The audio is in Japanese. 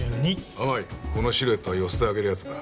甘いこのシルエットは寄せて上げるやつだ